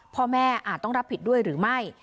อาจต้องรับผิดด้วยหรือไม่